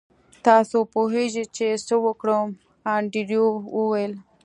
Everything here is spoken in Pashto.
تاسو پوهیږئ چې څه وکړم انډریو وویل